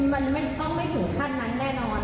มันต้องไม่ถึงขั้นนั้นแน่นอน